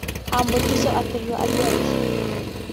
Humble Jizzo aterura agira ati